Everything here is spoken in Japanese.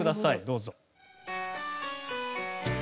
どうぞ。